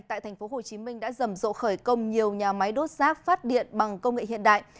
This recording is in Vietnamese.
tại tp hcm đã rầm rộ khởi công nhiều nhà máy đốt rác phát điện bằng công nghệ hiện đại